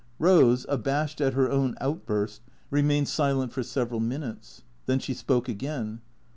Eose, abashed at her own outburst, remained silent for sev eral minutes. Then she spoke again.